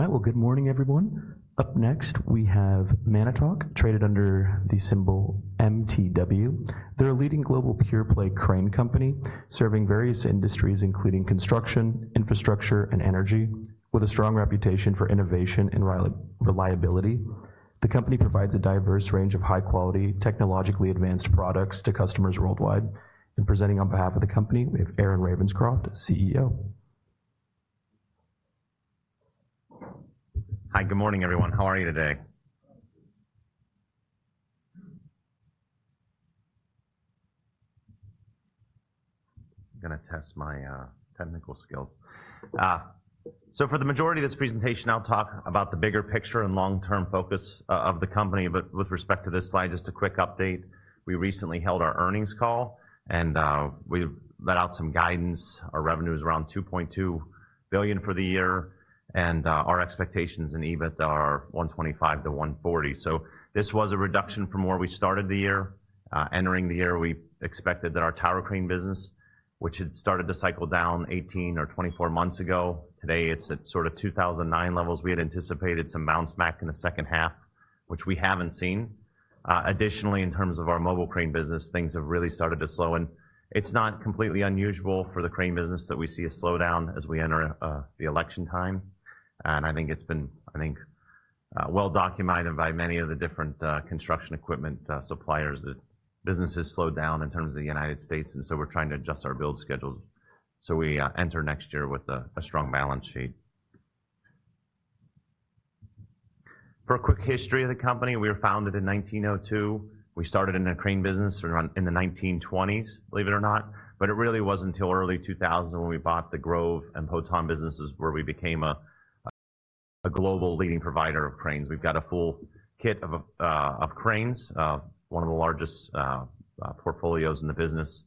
All right. Well, good morning, everyone. Up next, we have Manitowoc, traded under the symbol MTW. They're a leading global pure-play crane company, serving various industries, including construction, infrastructure, and energy, with a strong reputation for innovation and reliability. The company provides a diverse range of high-quality, technologically advanced products to customers worldwide, and presenting on behalf of the company, we have Aaron Ravenscroft, CEO. Hi, good morning, everyone. How are you today? I'm gonna test my technical skills. So for the majority of this presentation, I'll talk about the bigger picture and long-term focus of the company. But with respect to this slide, just a quick update. We recently held our earnings call, and we let out some guidance. Our revenue is around $2.2 billion for the year, and our expectations in EBIT are $125-$140. So this was a reduction from where we started the year. Entering the year, we expected that our tower crane business, which had started to cycle down 18 or 24 months ago, today, it's at sort of 2009 levels. We had anticipated some bounce back in the second half, which we haven't seen. Additionally, in terms of our mobile crane business, things have really started to slow, and it's not completely unusual for the crane business that we see a slowdown as we enter the election time. I think it's been well-documented by many of the different construction equipment suppliers that business has slowed down in terms of the United States, and so we're trying to adjust our build schedules so we enter next year with a strong balance sheet. For a quick history of the company, we were founded in 1902. We started in the crane business around in the 1920s, believe it or not, but it really wasn't until early 2000 when we bought the Grove and Potain businesses, where we became a global leading provider of cranes. We've got a full kit of cranes, one of the largest portfolios in the business.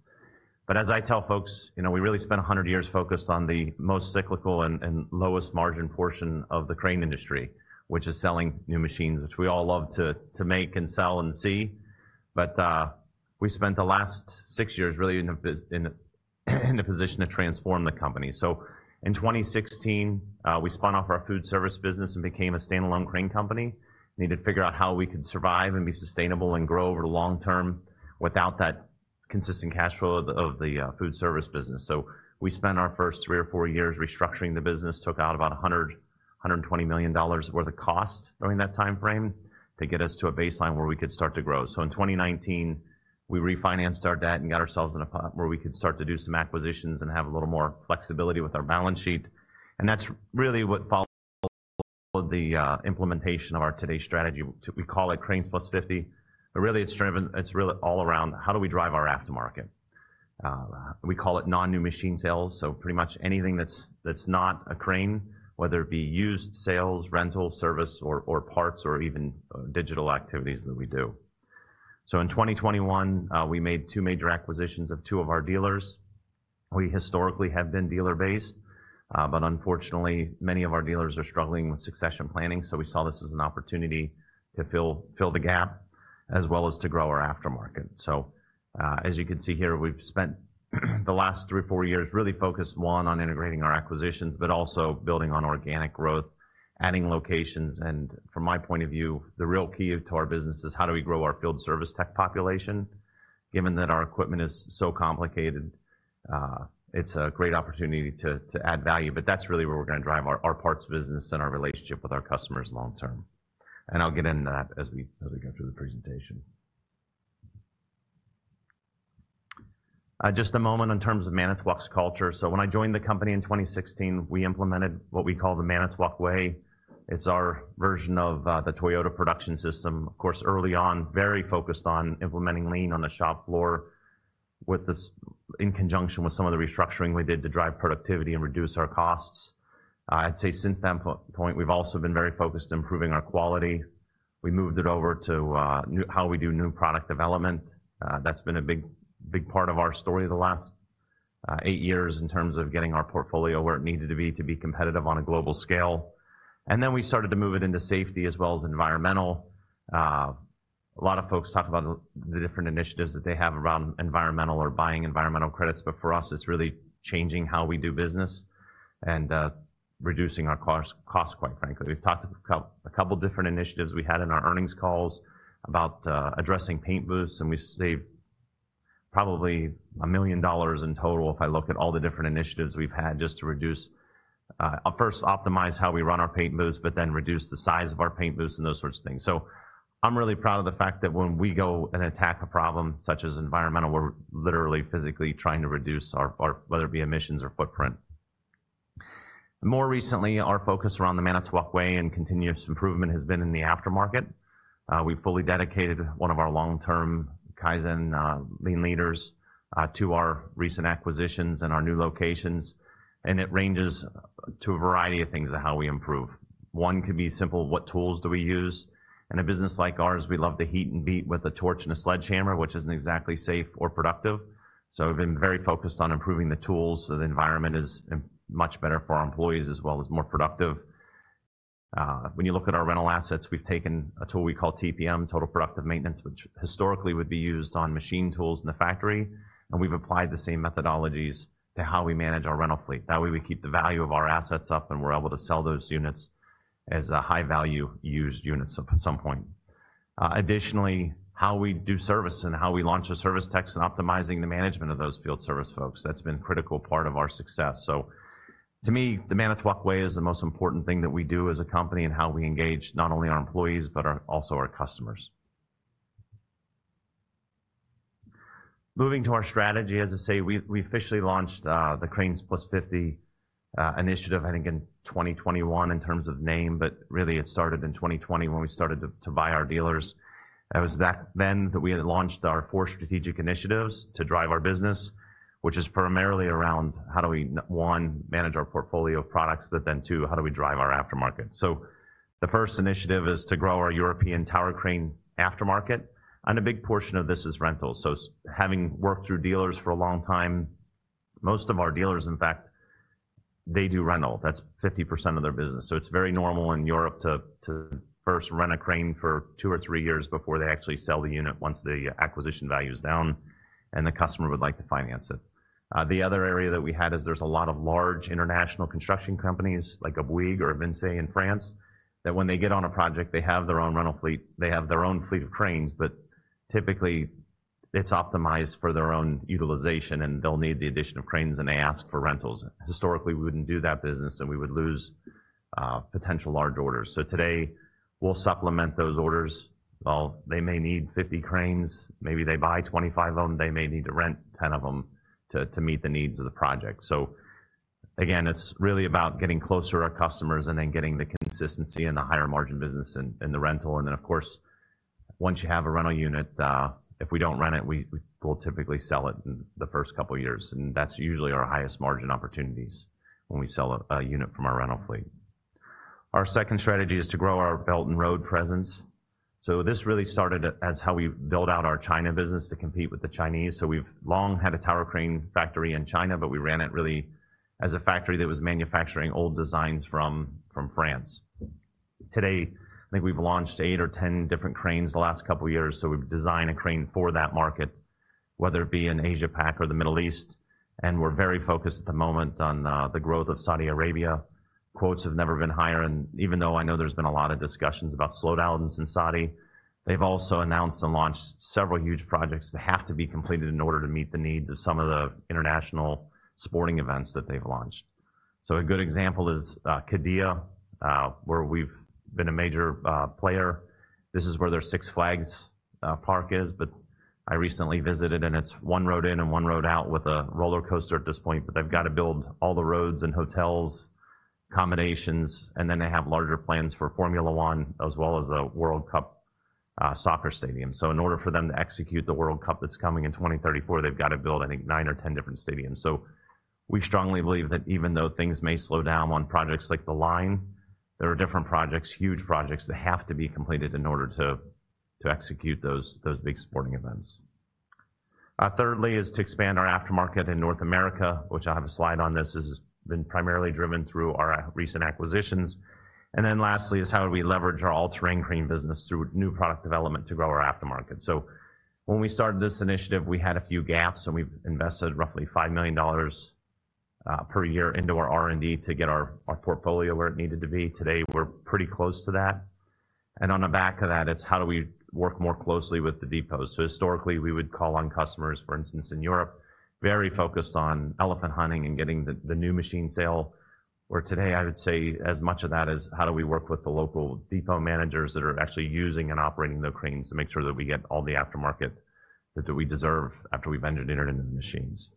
But as I tell folks, you know, we really spent one hundred years focused on the most cyclical and lowest margin portion of the crane industry, which is selling new machines, which we all love to make and sell and see. But we spent the last six years really in a position to transform the company. So in 2016, we spun off our food service business and became a standalone crane company. Needed to figure out how we could survive and be sustainable and grow over the long term without that consistent cash flow of the food service business. We spent our first three or four years restructuring the business, took out about $100-$120 million worth of cost during that timeframe to get us to a baseline where we could start to grow. In 2019, we refinanced our debt and got ourselves in a position where we could start to do some acquisitions and have a little more flexibility with our balance sheet. That's really what followed the implementation of our today's strategy. We call it CRANES+50, but really, it's driven by how we drive our aftermarket. We call it non-new machine sales, so pretty much anything that's not a crane, whether it be used sales, rental, service or parts or even digital activities that we do. So in 2021, we made two major acquisitions of two of our dealers. We historically have been dealer-based, but unfortunately, many of our dealers are struggling with succession planning, so we saw this as an opportunity to fill the gap, as well as to grow our aftermarket. So, as you can see here, we've spent the last three or four years really focused, one, on integrating our acquisitions, but also building on organic growth, adding locations. And from my point of view, the real key to our business is how do we grow our field service tech population, given that our equipment is so complicated? It's a great opportunity to add value, but that's really where we're gonna drive our parts business and our relationship with our customers long term. And I'll get into that as we go through the presentation. Just a moment in terms of Manitowoc's culture. So when I joined the company in 2016, we implemented what we call the Manitowoc Way. It's our version of the Toyota Production System. Of course, early on, very focused on implementing lean on the shop floor with this, in conjunction with some of the restructuring we did to drive productivity and reduce our costs. I'd say since that point, we've also been very focused on improving our quality. We moved it over to new how we do new product development. That's been a big, big part of our story the last eight years in terms of getting our portfolio where it needed to be to be competitive on a global scale. And then we started to move it into safety as well as environmental. A lot of folks talk about the different initiatives that they have around environmental or buying environmental credits, but for us, it's really changing how we do business and reducing our cost, quite frankly. We've talked a couple different initiatives we had in our earnings calls about addressing paint booths, and we've saved probably $1 million in total if I look at all the different initiatives we've had just to reduce, first, optimize how we run our paint booths, but then reduce the size of our paint booths and those sorts of things. So I'm really proud of the fact that when we go and attack a problem such as environmental, we're literally physically trying to reduce our whether it be emissions or footprint. More recently, our focus around the Manitowoc Way and continuous improvement has been in the aftermarket. We've fully dedicated one of our long-term Kaizen lean leaders to our recent acquisitions and our new locations, and it ranges to a variety of things of how we improve. One could be simple: What tools do we use? In a business like ours, we love to heat and beat with a torch and a sledgehammer, which isn't exactly safe or productive. So we've been very focused on improving the tools so the environment is much better for our employees as well as more productive. When you look at our rental assets, we've taken a tool we call TPM, Total Productive Maintenance, which historically would be used on machine tools in the factory, and we've applied the same methodologies to how we manage our rental fleet. That way, we keep the value of our assets up, and we're able to sell those units as a high-value used units at some point. Additionally, how we do service and how we launch a service tech and optimizing the management of those field service folks, that's been a critical part of our success. To me, the Manitowoc Way is the most important thing that we do as a company, and how we engage not only our employees but also our customers. Moving to our strategy, as I say, we officially launched the Cranes+50 initiative, I think in 2021 in terms of name, but really it started in 2020 when we started to buy our dealers. It was back then that we had launched our four strategic initiatives to drive our business, which is primarily around how do we, one, manage our portfolio of products, but then, two, how do we drive our aftermarket? So the first initiative is to grow our European tower crane aftermarket, and a big portion of this is rental. So having worked through dealers for a long time, most of our dealers, in fact, they do rental. That's 50% of their business. So it's very normal in Europe to first rent a crane for two or three years before they actually sell the unit, once the acquisition value is down and the customer would like to finance it. The other area that we had is there's a lot of large international construction companies like Bouygues or Vinci in France, that when they get on a project, they have their own rental fleet, they have their own fleet of cranes, but typically, it's optimized for their own utilization, and they'll need the addition of cranes, and they ask for rentals. Historically, we wouldn't do that business, and we would lose potential large orders. So today, we'll supplement those orders. They may need 50 cranes. Maybe they buy 25 of them. They may need to rent 10 of them to meet the needs of the project. So again, it's really about getting closer to our customers and then getting the consistency and the higher margin business in the rental. And then, of course, once you have a rental unit, if we don't rent it, we will typically sell it in the first couple of years, and that's usually our highest margin opportunities when we sell a unit from our rental fleet. Our second strategy is to grow our Belt and Road presence. So this really started as how we build out our China business to compete with the Chinese. So we've long had a tower crane factory in China, but we ran it really as a factory that was manufacturing old designs from France. Today, I think we've launched eight or 10 different cranes the last couple of years, so we've designed a crane for that market, whether it be in Asia Pac or the Middle East, and we're very focused at the moment on the growth of Saudi Arabia. Quotes have never been higher, and even though I know there's been a lot of discussions about slowdowns in Saudi, they've also announced and launched several huge projects that have to be completed in order to meet the needs of some of the international sporting events that they've launched. So a good example is Qiddiya, where we've been a major player. This is where their Six Flags Park is, but I recently visited, and it's one road in and one road out with a rollercoaster at this point. But they've got to build all the roads and hotels, accommodations, and then they have larger plans for Formula One as well as a World Cup soccer stadium. So in order for them to execute the World Cup that's coming in 2034, they've got to build, I think, nine or 10 different stadiums. So we strongly believe that even though things may slow down on projects like The Line, there are different projects, huge projects that have to be completed in order to execute those big sporting events. Thirdly is to expand our aftermarket in North America, which I have a slide on. This has been primarily driven through our recent acquisitions. And then lastly is how do we leverage our all-terrain crane business through new product development to grow our aftermarket. So when we started this initiative, we had a few gaps, and we've invested roughly $5 million per year into our R&D to get our portfolio where it needed to be. Today, we're pretty close to that, and on the back of that, it's how do we work more closely with the depots. Historically, we would call on customers, for instance, in Europe, very focused on elephant hunting and getting the new machine sale, where today I would say as much of that is how do we work with the local depot managers that are actually using and operating the cranes to make sure that we get all the aftermarket that we deserve after we've entered into the machines.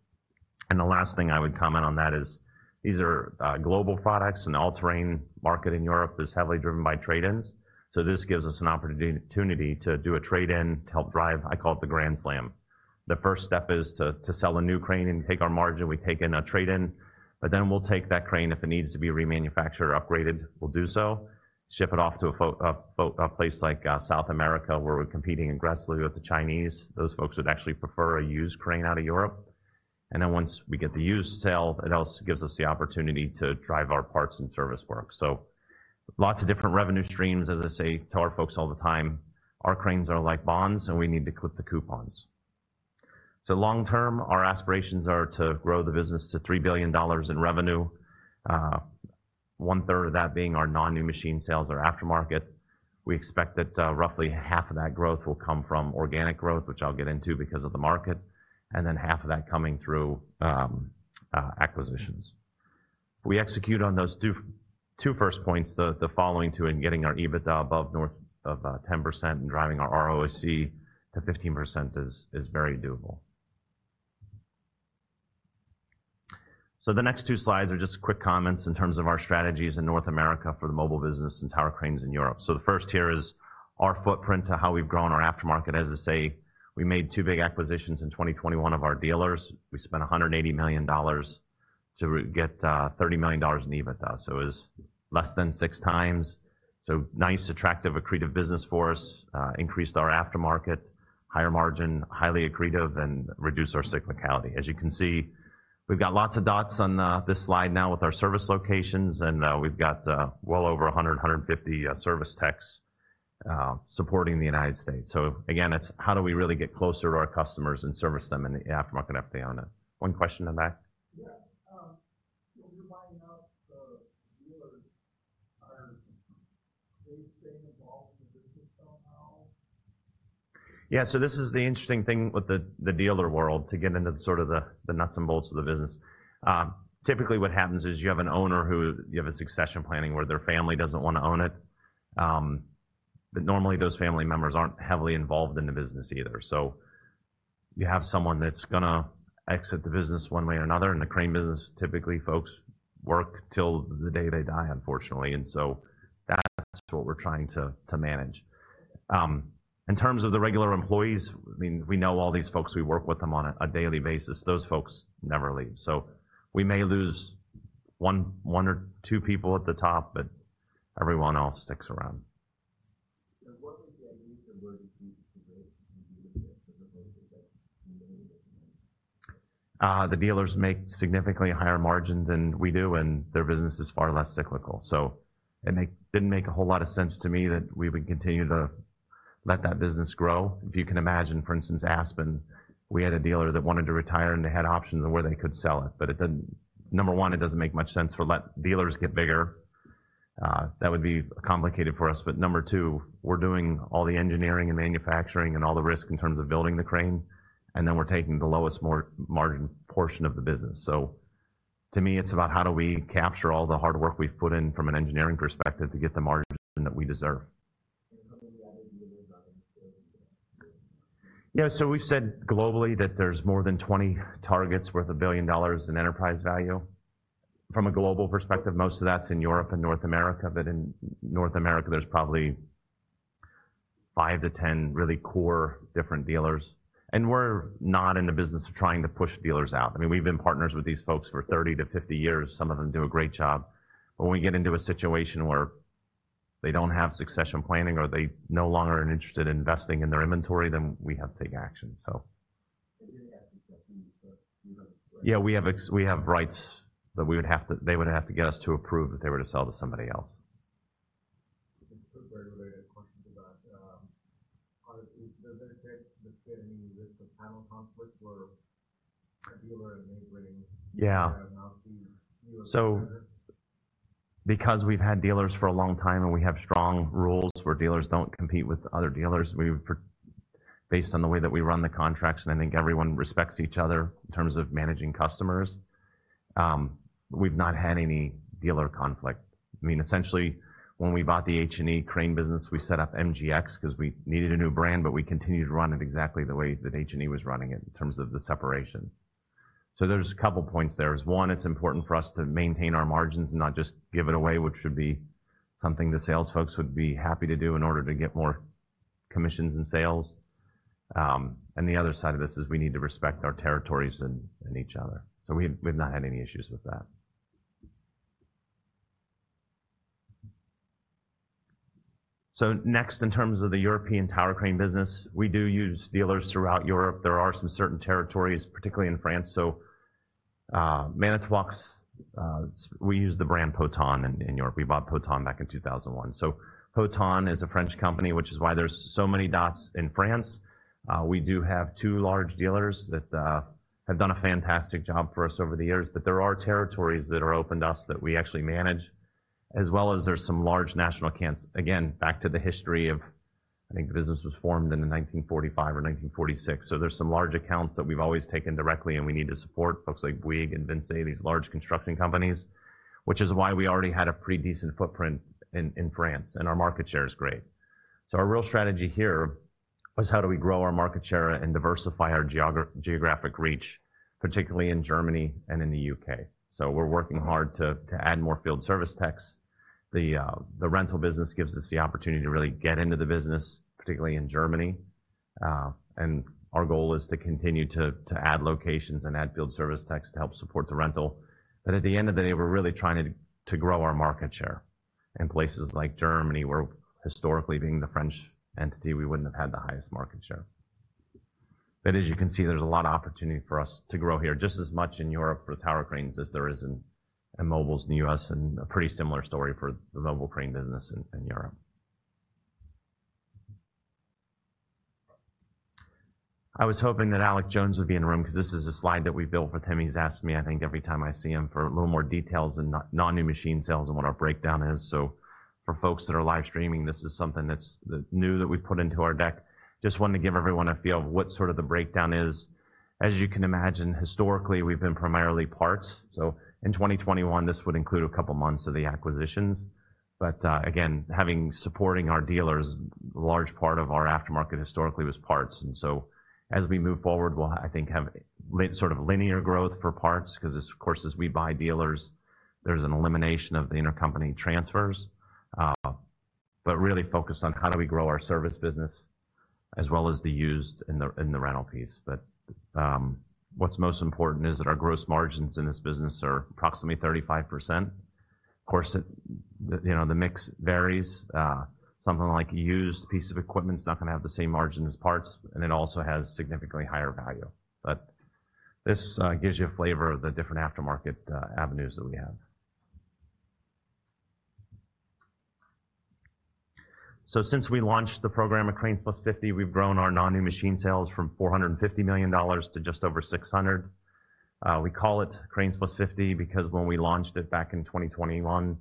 The last thing I would comment on that is these are global products, and all-terrain market in Europe is heavily driven by trade-ins, so this gives us an opportunity to do a trade-in to help drive, I call it the grand slam. The first step is to sell a new crane and take our margin. We take in a trade-in, but then we'll take that crane if it needs to be remanufactured or upgraded, we'll do so, ship it off to a place like South America, where we're competing aggressively with the Chinese. Those folks would actually prefer a used crane out of Europe, and then once we get the used sale, it also gives us the opportunity to drive our parts and service work. Lots of different revenue streams. As I say to our folks all the time, "Our cranes are like bonds, and we need to clip the coupons." Long term, our aspirations are to grow the business to $3 billion in revenue, one-third of that being our non-new machine sales or aftermarket. We expect that, roughly half of that growth will come from organic growth, which I'll get into because of the market, and then half of that coming through acquisitions. We execute on those two first points, the following two, and getting our EBITDA above north of 10% and driving our ROIC to 15% is very doable. So the next two slides are just quick comments in terms of our strategies in North America for the mobile business and tower cranes in Europe. So the first here is our footprint to how we've grown our aftermarket. As I say, we made two big acquisitions in 2021 of our dealers. We spent $180 million to get $30 million in EBITDA, so it's less than 6x. So nice, attractive, accretive business for us, increased our aftermarket, higher margin, highly accretive, and reduced our cyclicality. As you can see, we've got lots of dots on this slide now with our service locations, and we've got well over 150 service techs supporting the United States. So again, it's how do we really get closer to our customers and service them in the aftermarket after they own it. One question on that? Yeah. When you're buying out the dealers, are they staying involved in the business somehow? Yeah, so this is the interesting thing with the dealer world, to get into the sort of the nuts and bolts of the business. Typically, what happens is you have an owner who you have a succession planning, where their family doesn't want to own it. But normally those family members aren't heavily involved in the business either. So you have someone that's gonna exit the business one way or another. In the crane business, typically, folks work till the day they die, unfortunately, and so that's what we're trying to manage. In terms of the regular employees, I mean, we know all these folks. We work with them on a daily basis. Those folks never leave. So we may lose one or two people at the top, but everyone else sticks around. What is the avenue where you keep the dealers differently than many different? The dealers make significantly higher margin than we do, and their business is far less cyclical. So it didn't make a whole lot of sense to me that we would continue to let that business grow. If you can imagine, for instance, Aspen, we had a dealer that wanted to retire, and they had options on where they could sell it, but it didn't. Number one, it doesn't make much sense to let dealers get bigger. That would be complicated for us. But number two, we're doing all the engineering and manufacturing and all the risk in terms of building the crane, and then we're taking the lowest margin portion of the business. So to me, it's about how do we capture all the hard work we've put in from an engineering perspective to get the margin that we deserve. How many other dealers are there? Yeah, so we've said globally that there's more than 20 targets worth $1 billion in enterprise value. From a global perspective, most of that's in Europe and North America, but in North America, there's probably 5 to 10 really core different dealers. And we're not in the business of trying to push dealers out. I mean, we've been partners with these folks for 30-50 years. Some of them do a great job. When we get into a situation where they don't have succession planning or they no longer are interested in investing in their inventory, then we have to take action, so. They have to trust you, but you have- Yeah, we have rights, but they would have to get us to approve if they were to sell to somebody else. It's a very related question to that. Does it get any risk of channel conflicts where a dealer in neighboring- Yeah. Have now to deal with- So because we've had dealers for a long time, and we have strong rules where dealers don't compete with other dealers, we've based on the way that we run the contracts, and I think everyone respects each other in terms of managing customers, we've not had any dealer conflict. I mean, essentially, when we bought the H&E crane business, we set up MGX because we needed a new brand, but we continued to run it exactly the way that H&E was running it in terms of the separation. So there's a couple of points there. One, it's important for us to maintain our margins and not just give it away, which would be something the sales folks would be happy to do in order to get more commissions and sales. And the other side of this is we need to respect our territories and each other. We've not had any issues with that. Next, in terms of the European tower crane business, we do use dealers throughout Europe. There are some certain territories, particularly in France, so we use the brand Potain in Europe. We bought Potain back in 2001. Potain is a French company, which is why there's so many Potains in France. We do have two large dealers that have done a fantastic job for us over the years, but there are territories that are open to us that we actually manage, as well as there's some large national accounts. Again, back to the history of, I think the business was formed in the nineteen forty-five or nineteen forty-six, so there's some large accounts that we've always taken directly, and we need to support, folks like Bouygues and Vinci, these large construction companies, which is why we already had a pretty decent footprint in France, and our market share is great. Our real strategy here is how do we grow our market share and diversify our geographic reach, particularly in Germany and in the U.K.? We're working hard to add more field service techs. The, the rental business gives us the opportunity to really get into the business, particularly in Germany. And our goal is to continue to add locations and add field service techs to help support the rental. But at the end of the day, we're really trying to grow our market share in places like Germany, where historically, being the French entity, we wouldn't have had the highest market share. But as you can see, there's a lot of opportunity for us to grow here, just as much in Europe for tower cranes as there is in mobiles in the U.S., and a pretty similar story for the mobile crane business in Europe. I was hoping that Alex Jones would be in the room, 'cause this is a slide that we built with him. He's asked me, I think, every time I see him, for a little more details on non-new machine sales and what our breakdown is. So for folks that are live streaming, this is something that's new that we put into our deck. Just wanted to give everyone a feel of what sort of the breakdown is. As you can imagine, historically, we've been primarily parts. So in 2021, this would include a couple of months of the acquisitions. But, again, having, supporting our dealers, large part of our aftermarket historically was parts. And so as we move forward, we'll, I think, have sort of linear growth for parts, 'cause of course, as we buy dealers, there's an elimination of the intercompany transfers. But really focused on how do we grow our service business as well as the used and the rental piece. But, what's most important is that our gross margins in this business are approximately 35%. Of course, it, the, you know, the mix varies. Something like a used piece of equipment is not going to have the same margin as parts, and it also has significantly higher value. But this gives you a flavor of the different aftermarket avenues that we have. So since we launched the program at Cranes Plus Fifty, we've grown our non-new machine sales from $450 million to just over $600 million. We call it Cranes Plus Fifty because when we launched it back in 2021,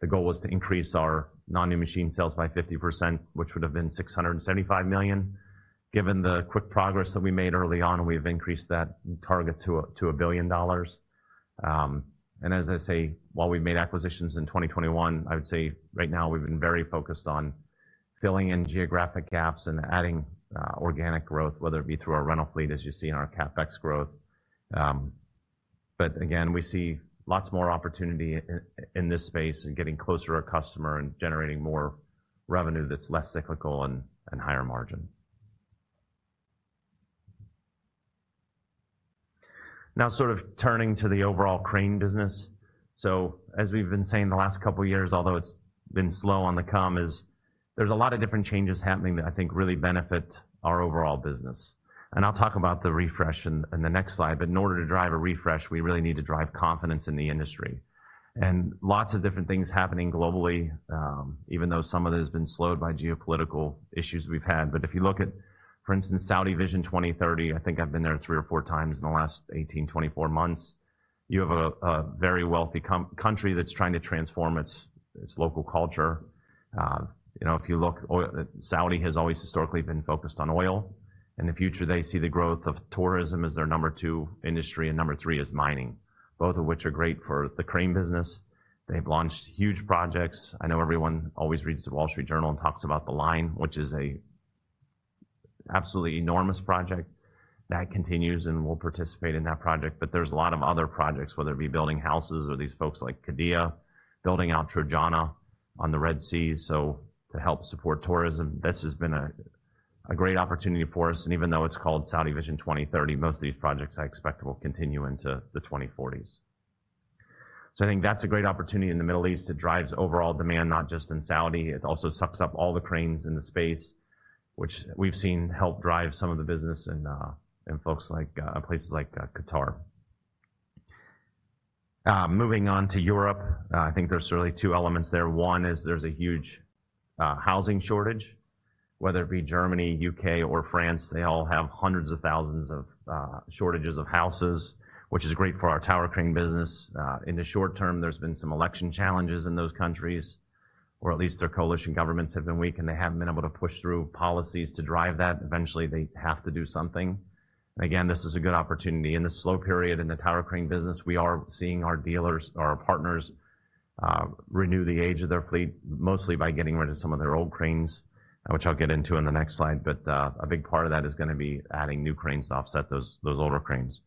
the goal was to increase our non-new machine sales by 50%, which would have been $675 million. Given the quick progress that we made early on, we've increased that target to a billion dollars. And as I say, while we've made acquisitions in 2021, I would say right now we've been very focused on filling in geographic gaps and adding organic growth, whether it be through our rental fleet, as you see in our CapEx growth. But again, we see lots more opportunity in this space and getting closer to our customer and generating more revenue that's less cyclical and higher margin. Now, sort of turning to the overall crane business. So as we've been saying the last couple of years, although it's been slow on the come, is there's a lot of different changes happening that I think really benefit our overall business. And I'll talk about the refresh in the next slide, but in order to drive a refresh, we really need to drive confidence in the industry. Lots of different things happening globally, even though some of it has been slowed by geopolitical issues we've had. But if you look at, for instance, Saudi Vision 2030, I think I've been there three or four times in the last 18-24 months. You have a very wealthy country that's trying to transform its local culture. You know, if you look, oil. Saudi has always historically been focused on oil. In the future, they see the growth of tourism as their number two industry, and number three is mining, both of which are great for the crane business. They've launched huge projects. I know everyone always reads The Wall Street Journal and talks about The Line, which is absolutely enormous project that continues, and we'll participate in that project. But there's a lot of other projects, whether it be building houses or these folks like Qiddiya, building out Trojana on the Red Sea, so to help support tourism. This has been a great opportunity for us, and even though it's called Saudi Vision 2030, most of these projects I expect will continue into the 2040s. So I think that's a great opportunity in the Middle East. It drives overall demand, not just in Saudi. It also sucks up all the cranes in the space, which we've seen help drive some of the business in folks like places like Qatar. Moving on to Europe, I think there's really two elements there. One is there's a huge housing shortage, whether it be Germany, U.K., or France. They all have hundreds of thousands of shortages of houses, which is great for our tower crane business. In the short term, there's been some election challenges in those countries, or at least their coalition governments have been weak, and they haven't been able to push through policies to drive that. Eventually, they have to do something. Again, this is a good opportunity. In the slow period in the tower crane business, we are seeing our dealers, our partners, renew the age of their fleet, mostly by getting rid of some of their old cranes, which I'll get into in the next slide, but a big part of that is gonna be adding new cranes to offset those older cranes.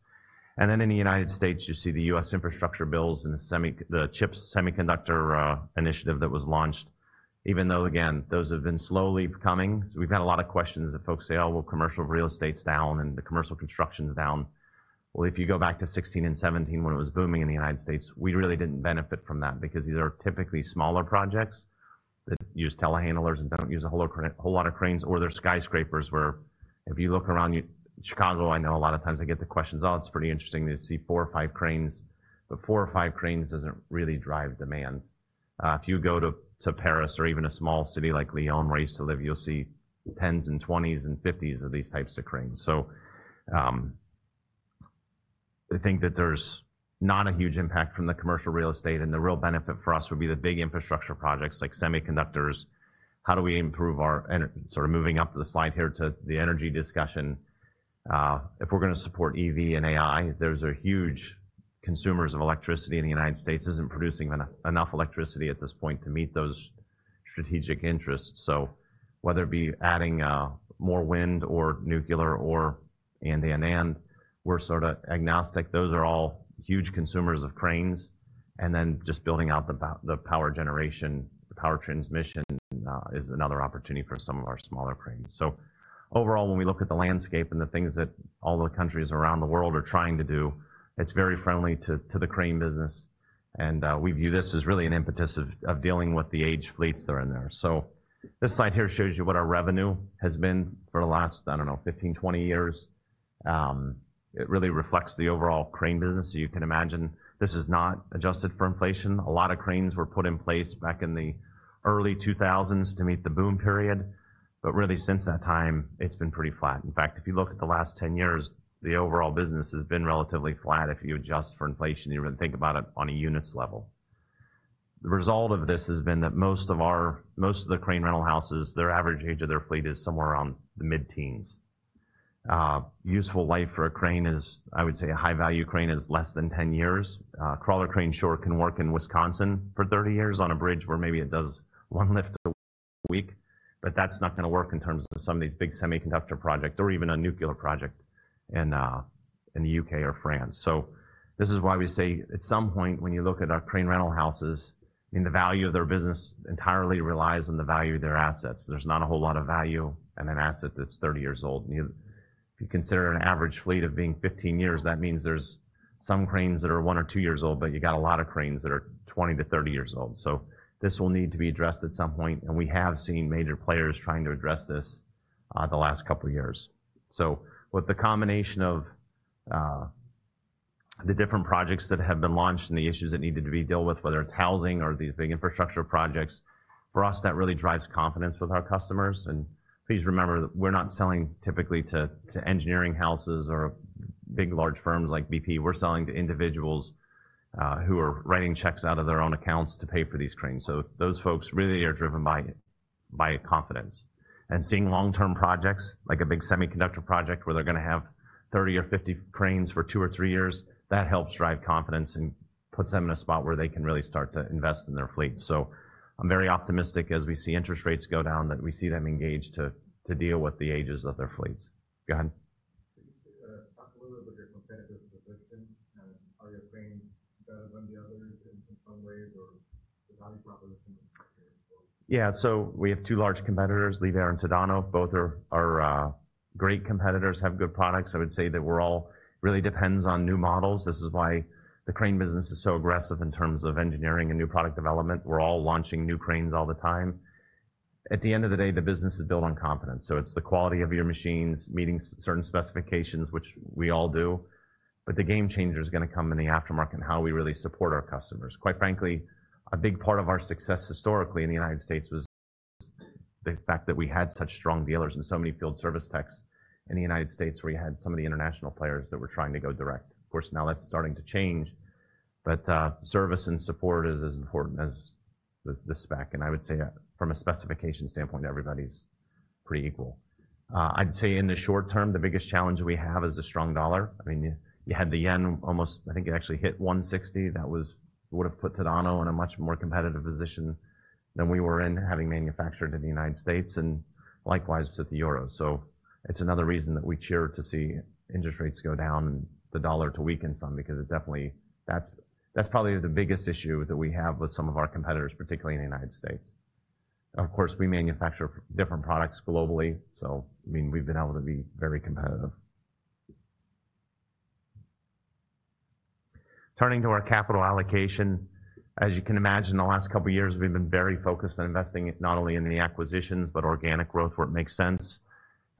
And then in the United States, you see the U.S. infrastructure bills and the CHIPS semiconductor initiative that was launched, even though, again, those have been slowly coming. So we've had a lot of questions of folks say, "Oh, well, commercial real estate's down and the commercial construction's down." Well, if you go back to 2016 and 2017, when it was booming in the United States, we really didn't benefit from that because these are typically smaller projects that use telehandlers and don't use a whole lot of cranes, or they're skyscrapers, where if you look around you... Chicago, I know a lot of times I get the questions, "Oh, it's pretty interesting to see four or five cranes." But four or five cranes doesn't really drive demand. If you go to Paris or even a small city like Lyon, where I used to live, you'll see tens and twenties and fifties of these types of cranes. So, I think that there's not a huge impact from the commercial real estate, and the real benefit for us would be the big infrastructure projects like semiconductors. How do we improve our... And sort of moving up the slide here to the energy discussion, if we're going to support EV and AI, those are huge consumers of electricity, and the United States isn't producing enough electricity at this point to meet those strategic interests. So whether it be adding more wind or nuclear, and we're sorta agnostic, those are all huge consumers of cranes. And then just building out the power generation, the power transmission, is another opportunity for some of our smaller cranes. So overall, when we look at the landscape and the things that all the countries around the world are trying to do, it's very friendly to the crane business. We view this as really an impetus of dealing with the aged fleets that are in there. So this slide here shows you what our revenue has been for the last, I don't know, 15, 20 years. It really reflects the overall crane business. So you can imagine this is not adjusted for inflation. A lot of cranes were put in place back in the early 2000s to meet the boom period, but really, since that time, it's been pretty flat. In fact, if you look at the last 10 years, the overall business has been relatively flat if you adjust for inflation, even think about it on a units level. The result of this has been that most of the crane rental houses, their average age of their fleet is somewhere around the mid-teens. Useful life for a crane is, I would say, a high-value crane, is less than 10 years. Crawler crane sure can work in Wisconsin for 30 years on a bridge where maybe it does 1 lift a week, but that's not gonna work in terms of some of these big semiconductor project or even a nuclear project in, in the U.K. or France. So this is why we say at some point, when you look at our crane rental houses, I mean, the value of their business entirely relies on the value of their assets. There's not a whole lot of value in an asset that's 30 years old, and if you consider an average fleet of being 15 years, that means there's some cranes that are one or two years old, but you got a lot of cranes that are 20-30 years old. So this will need to be addressed at some point, and we have seen major players trying to address this, the last couple of years. So with the combination of the different projects that have been launched and the issues that needed to be dealt with, whether it's housing or these big infrastructure projects, for us, that really drives confidence with our customers. Please remember that we're not selling typically to engineering houses or big, large firms like BP. We're selling to individuals who are writing checks out of their own accounts to pay for these cranes. Those folks really are driven by confidence. Seeing long-term projects, like a big semiconductor project, where they're going to have thirty or fifty cranes for two or three years, that helps drive confidence and puts them in a spot where they can really start to invest in their fleet. I'm very optimistic as we see interest rates go down, that we see them engaged to deal with the ages of their fleets. Go ahead. Can you talk a little bit about your competitive position, and are your cranes better than the others in some ways, or the value proposition? Yeah. So we have two large competitors, Liebherr and Tadano. Both are great competitors, have good products. I would say that really depends on new models. This is why the crane business is so aggressive in terms of engineering and new product development. We're all launching new cranes all the time. At the end of the day, the business is built on confidence, so it's the quality of your machines, meeting certain specifications, which we all do. But the game changer is going to come in the aftermarket and how we really support our customers. Quite frankly, a big part of our success historically in the United States was the fact that we had such strong dealers and so many field service techs in the United States, where you had some of the international players that were trying to go direct. Of course, now that's starting to change, but service and support is as important as the spec, and I would say that from a specification standpoint, everybody's pretty equal. I'd say in the short term, the biggest challenge we have is the strong dollar. I mean, you had the yen almost. I think it actually hit 160. That would have put Tadano in a much more competitive position than we were in, having manufactured in the United States, and likewise with the euro. So it's another reason that we cheer to see interest rates go down and the dollar to weaken some, because it definitely. That's probably the biggest issue that we have with some of our competitors, particularly in the United States. Of course, we manufacture different products globally, so, I mean, we've been able to be very competitive. Turning to our capital allocation, as you can imagine, the last couple of years, we've been very focused on investing, not only in the acquisitions, but organic growth where it makes sense.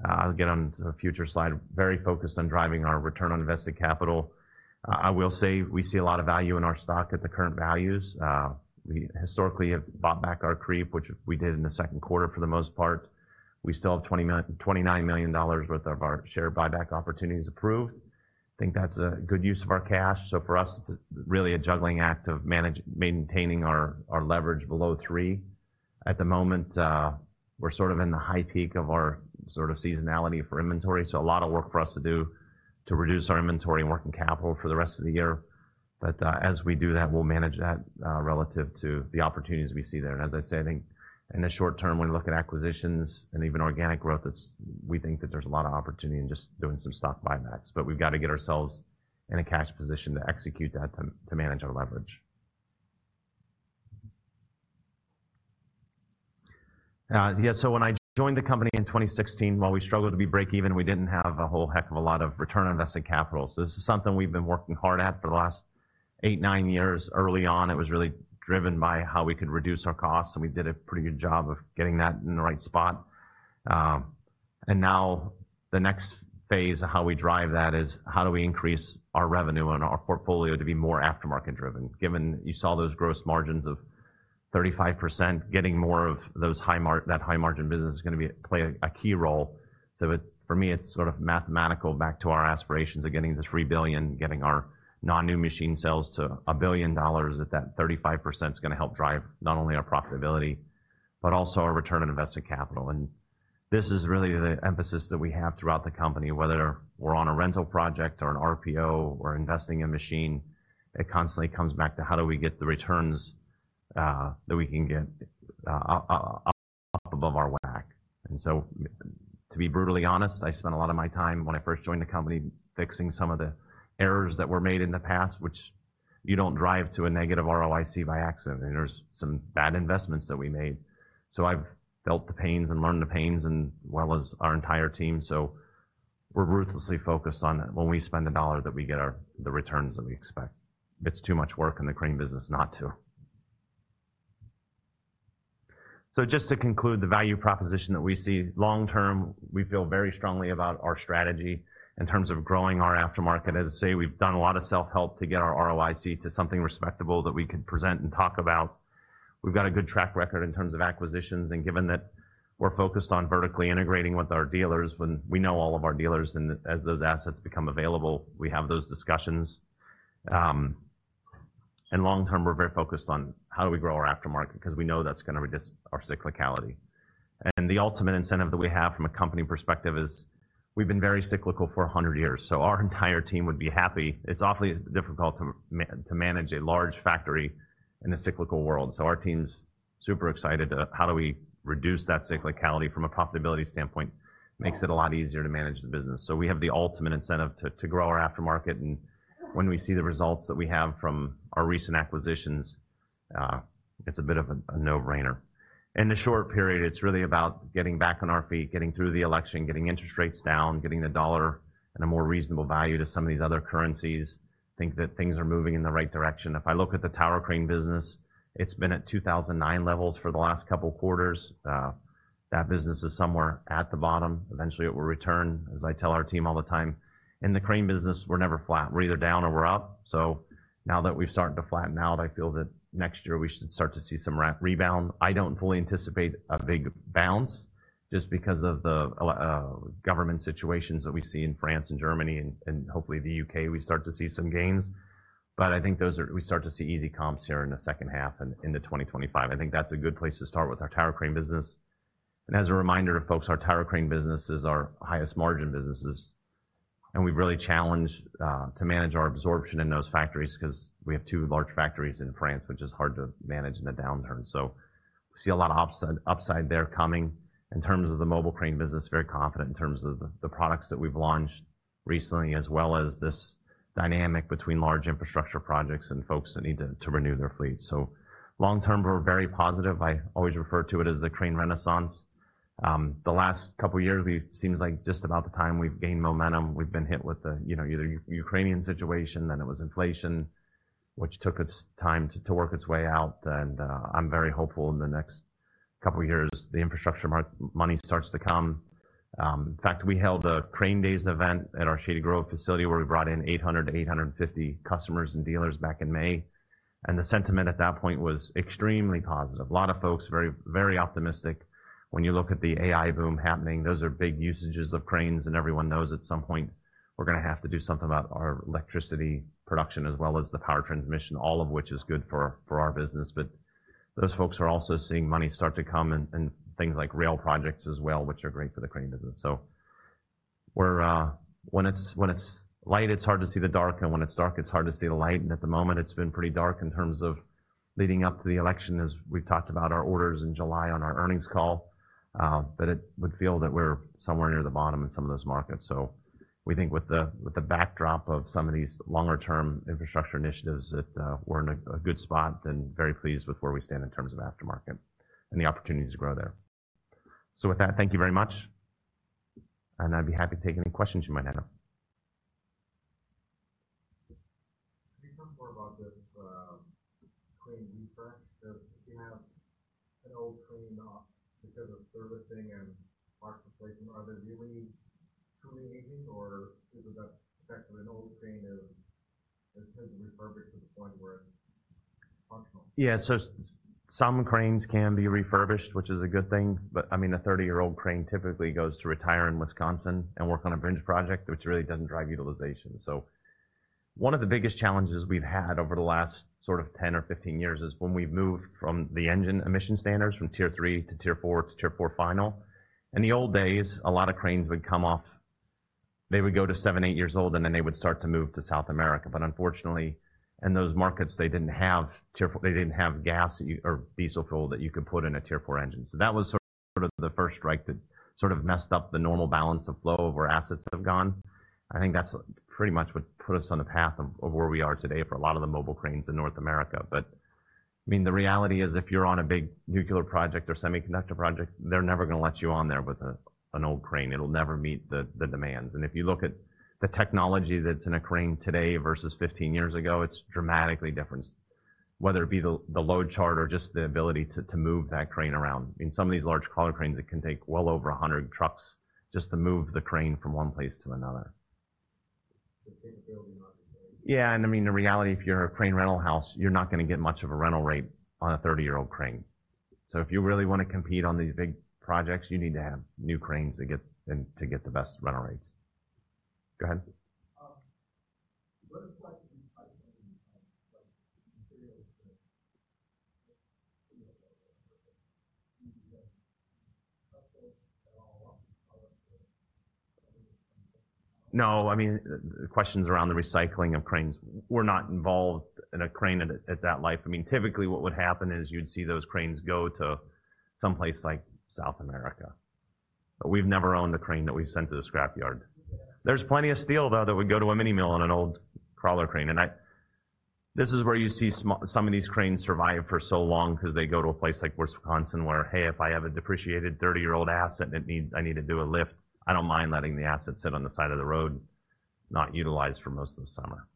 I'll get on to a future slide. Very focused on driving our return on invested capital. I will say, we see a lot of value in our stock at the current values. We historically have bought back our shares, which we did in the second quarter for the most part. We still have $29 million worth of our share buyback opportunities approved. I think that's a good use of our cash. So for us, it's really a juggling act of maintaining our leverage below three. At the moment, we're sort of in the high peak of our sort of seasonality for inventory, so a lot of work for us to do to reduce our inventory and working capital for the rest of the year. But, as we do that, we'll manage that, relative to the opportunities we see there. And as I said, I think in the short term, when we look at acquisitions and even organic growth, we think that there's a lot of opportunity in just doing some stock buybacks, but we've got to get ourselves in a cash position to execute that, to manage our leverage. Yeah, so when I joined the company in 2016, while we struggled to be break even, we didn't have a whole heck of a lot of return on invested capital. So this is something we've been working hard at for the last eight, nine years. Early on, it was really driven by how we could reduce our costs, and we did a pretty good job of getting that in the right spot. And now the next phase of how we drive that is, how do we increase our revenue and our portfolio to be more aftermarket-driven? Given you saw those gross margins of 35%, getting more of that high-margin business is going to play a key role. So for me, it's sort of mathematical back to our aspirations of getting to $3 billion, getting our non-new machine sales to $1 billion, that 35% is going to help drive not only our profitability, but also our return on invested capital. This is really the emphasis that we have throughout the company, whether we're on a rental project or an RPO or investing in machine. It constantly comes back to: how do we get the returns that we can get up above our WACC? And so, to be brutally honest, I spent a lot of my time when I first joined the company, fixing some of the errors that were made in the past, which you don't drive to a negative ROIC by accident. There's some bad investments that we made. So I've felt the pains and learned the pains, as well as our entire team. So we're ruthlessly focused on when we spend a dollar, that we get the returns that we expect. It's too much work in the crane business not to. So just to conclude, the value proposition that we see, long term, we feel very strongly about our strategy in terms of growing our aftermarket. As I say, we've done a lot of self-help to get our ROIC to something respectable that we can present and talk about. We've got a good track record in terms of acquisitions, and given that we're focused on vertically integrating with our dealers, when we know all of our dealers, and as those assets become available, we have those discussions. And long term, we're very focused on how do we grow our aftermarket because we know that's going to reduce our cyclicality. And the ultimate incentive that we have from a company perspective is we've been very cyclical for a hundred years, so our entire team would be happy. It's awfully difficult to manage a large factory in a cyclical world. So our team's super excited to how do we reduce that cyclicality from a profitability standpoint. Makes it a lot easier to manage the business. So we have the ultimate incentive to grow our aftermarket, and when we see the results that we have from our recent acquisitions. It's a bit of a no-brainer. In the short period, it's really about getting back on our feet, getting through the election, getting interest rates down, getting the dollar at a more reasonable value to some of these other currencies. I think that things are moving in the right direction. If I look at the tower crane business, it's been at 2009 levels for the last couple of quarters. That business is somewhere at the bottom. Eventually, it will return. As I tell our team all the time, "In the crane business, we're never flat. We're either down or we're up." So now that we've started to flatten out, I feel that next year we should start to see some rebound. I don't fully anticipate a big bounce just because of the government situations that we see in France and Germany, and hopefully the U.K., we start to see some gains. But I think we start to see easy comps here in the second half and into 2025. I think that's a good place to start with our tower crane business. And as a reminder to folks, our tower crane business is our highest margin businesses, and we've really challenged to manage our absorption in those factories because we have two large factories in France, which is hard to manage in a downturn. So we see a lot of upside there coming. In terms of the mobile crane business, very confident in terms of the products that we've launched recently, as well as this dynamic between large infrastructure projects and folks that need to renew their fleet. So long term, we're very positive. I always refer to it as the crane renaissance. The last couple of years, it seems like just about the time we've gained momentum, we've been hit with the, you know, either Ukrainian situation, then it was inflation, which took its time to work its way out, and I'm very hopeful in the next couple of years, the infrastructure money starts to come. In fact, we held a Crane Days event at our Shady Grove facility, where we brought in 800-850 customers and dealers back in May, and the sentiment at that point was extremely positive. A lot of folks, very, very optimistic. When you look at the AI boom happening, those are big usages of cranes, and everyone knows at some point we're gonna have to do something about our electricity production as well as the power transmission, all of which is good for our business. But those folks are also seeing money start to come and things like rail projects as well, which are great for the crane business. So we're... When it's light, it's hard to see the dark, and when it's dark, it's hard to see the light. And at the moment, it's been pretty dark in terms of leading up to the election, as we've talked about our orders in July on our earnings call, but it would feel that we're somewhere near the bottom in some of those markets. So we think with the backdrop of some of these longer-term infrastructure initiatives, that we're in a good spot and very pleased with where we stand in terms of aftermarket and the opportunities to grow there. So with that, thank you very much, and I'd be happy to take any questions you might have. Can you talk more about this, crane refresh, that if you have an old crane off because of servicing and parts replacement, are they really truly aging or is it that actually an old crane is refurbished to the point where it's functional? Yeah, so some cranes can be refurbished, which is a good thing, but, I mean, a thirty-year-old crane typically goes to retire in Wisconsin and work on a bridge project, which really doesn't drive utilization, so one of the biggest challenges we've had over the last sort of 10 or 15 years is when we've moved from the engine emission standards, from Tier 3 to Tier 4 to Tier 4 Final. In the old days, a lot of cranes would come off. They would go to 7, 8 years old, and then they would start to move to South America. But unfortunately, in those markets, they didn't have Tier 4, they didn't have gas or diesel fuel that you could put in a Tier 4 engine, so that was sort of the first strike that sort of messed up the normal balance of flow where assets have gone. I think that's pretty much what put us on the path of where we are today for a lot of the mobile cranes in North America. But, I mean, the reality is, if you're on a big nuclear project or semiconductor project, they're never gonna let you on there with an old crane. It'll never meet the demands. And if you look at the technology that's in a crane today versus fifteen years ago, it's dramatically different, whether it be the load chart or just the ability to move that crane around. In some of these large crawler cranes, it can take well over a hundred trucks just to move the crane from one place to another. To take a building on the crane. Yeah, and I mean, the reality, if you're a crane rental house, you're not gonna get much of a rental rate on a thirty-year-old crane. So if you really want to compete on these big projects, you need to have new cranes to get to get the best rental rates. Go ahead. What it's like in terms of like materials that, you know, at all? No, I mean, the question's around the recycling of cranes. We're not involved in a crane at that, at that life. I mean, typically what would happen is you'd see those cranes go to some place like South America, but we've never owned a crane that we've sent to the scrapyard. Yeah. There's plenty of steel, though, that would go to a mini mill on an old crawler crane, and this is where you see some of these cranes survive for so long because they go to a place like Wisconsin, where, hey, if I have a depreciated thirty-year-old asset and I need to do a lift, I don't mind letting the asset sit on the side of the road, not utilized for most of the summer.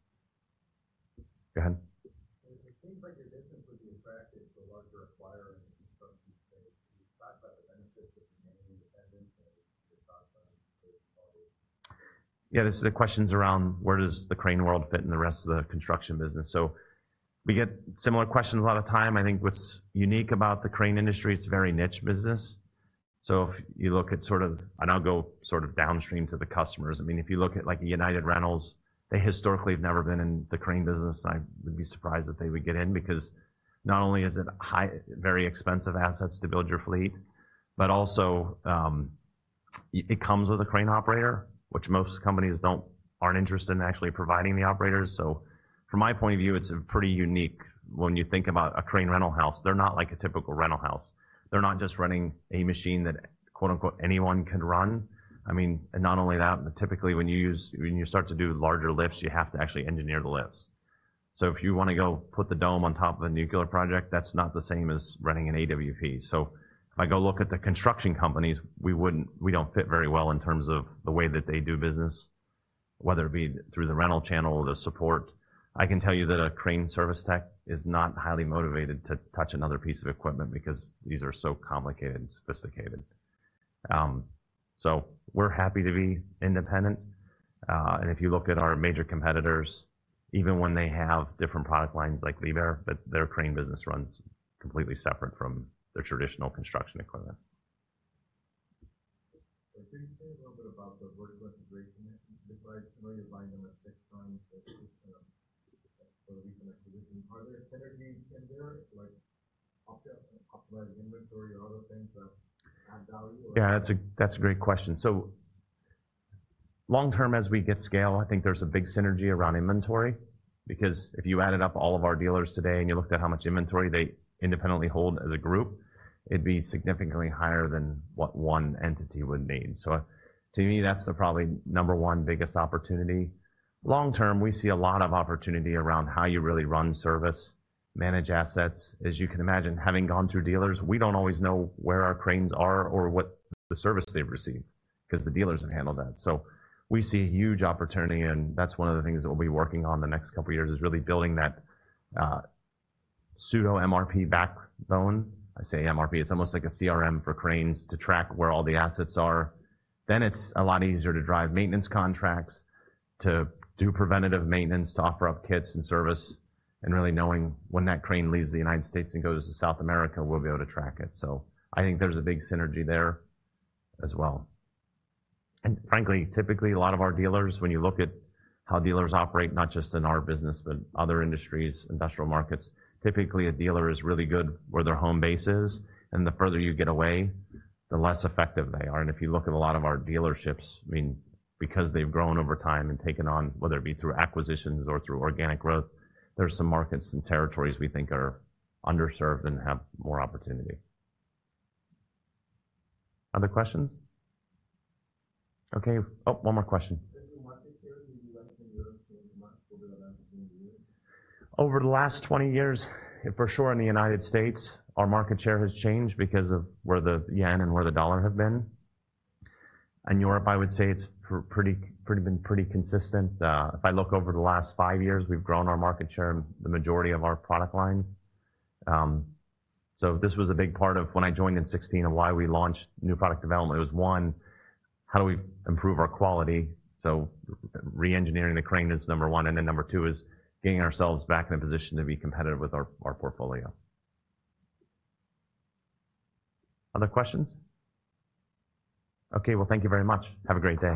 Go ahead. It seems like your business would be attractive to a larger acquirer in the construction space. You talked about the benefits of remaining independent, and you could talk about the- Yeah, this, the question's around: where does the crane world fit in the rest of the construction business? So we get similar questions a lot of time. I think what's unique about the crane industry, it's a very niche business. So if you look at sort of... And I'll go sort of downstream to the customers. I mean, if you look at, like, a United Rentals, they historically have never been in the crane business. I would be surprised if they would get in, because not only is it very expensive assets to build your fleet, but also, it comes with a crane operator, which most companies aren't interested in actually providing the operators. So from my point of view, it's pretty unique when you think about a crane rental house. They're not like a typical rental house. They're not just running a machine that, quote, unquote, "anyone can run." I mean, and not only that, but typically when you start to do larger lifts, you have to actually engineer the lifts... So if you want to go put the dome on top of a nuclear project, that's not the same as running an AWP. So if I go look at the construction companies, we don't fit very well in terms of the way that they do business, whether it be through the rental channel or the support. I can tell you that a crane service tech is not highly motivated to touch another piece of equipment because these are so complicated and sophisticated. So we're happy to be independent. And if you look at our major competitors, even when they have different product lines like Liebherr, but their crane business runs completely separate from their traditional construction equipment. Can you say a little bit about the vertical integration? Because I know you're buying them at fixed times, for recent acquisition. Are there synergies in there, like, optimize inventory or other things that add value? Yeah, that's a, that's a great question. So long term, as we get scale, I think there's a big synergy around inventory, because if you added up all of our dealers today and you looked at how much inventory they independently hold as a group, it'd be significantly higher than what one entity would need. So to me, that's the probably number one biggest opportunity. Long term, we see a lot of opportunity around how you really run service, manage assets. As you can imagine, having gone through dealers, we don't always know where our cranes are or what the service they've received, 'cause the dealers handle that. So we see huge opportunity, and that's one of the things that we'll be working on the next couple of years, is really building that, pseudo MRP backbone. I say MRP, it's almost like a CRM for cranes to track where all the assets are. Then it's a lot easier to drive maintenance contracts, to do preventative maintenance, to offer up kits and service, and really knowing when that crane leaves the United States and goes to South America, we'll be able to track it. So I think there's a big synergy there as well. And frankly, typically, a lot of our dealers, when you look at how dealers operate, not just in our business, but other industries, industrial markets, typically a dealer is really good where their home base is, and the further you get away, the less effective they are. If you look at a lot of our dealerships, I mean, because they've grown over time and taken on, whether it be through acquisitions or through organic growth, there's some markets and territories we think are underserved and have more opportunity. Other questions? Okay. Oh, one more question. Has the market share in the U.S. and Europe changed much over the last 20 years? Over the last 20 years, for sure, in the United States, our market share has changed because of where the yen and where the dollar have been. In Europe, I would say it's been pretty consistent. If I look over the last five years, we've grown our market share in the majority of our product lines. So this was a big part of when I joined in 2016 and why we launched new product development. It was, one, how do we improve our quality? So reengineering the crane is number one, and then number two is getting ourselves back in a position to be competitive with our portfolio. Other questions? Okay. Well, thank you very much. Have a great day.